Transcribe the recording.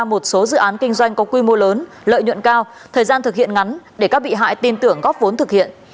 một số dự án kinh doanh có quy mô lớn lợi nhuận cao thời gian thực hiện ngắn để các bị hại tin tưởng góp vốn thực hiện